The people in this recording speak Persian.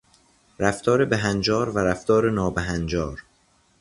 رفتار بهنجار و رفتار نابهنجار